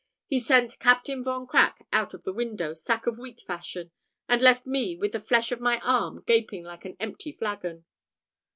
He sent Captain Von Crack out of the window sack of wheat fashion, and left me with the flesh of my arm gaping like an empty flagon."